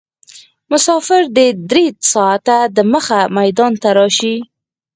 مسافر دې درې ساعته دمخه میدان ته راشي.